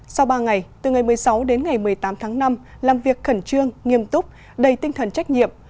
sau ba ngày từ ngày một mươi sáu đến ngày một mươi tám tháng năm làm việc khẩn trương nghiêm túc đầy tinh thần trách nhiệm